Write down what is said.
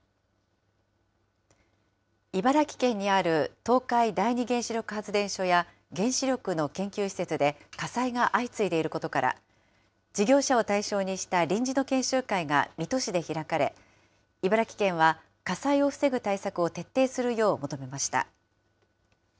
茨城県にある東海第二原子力発電所や原子力の研究施設で火災が相次いでいることから、事業者を対象にした臨時の研修会が水戸市で開かれ、茨城県は火災を防ぐ対策を徹底するよう求めました。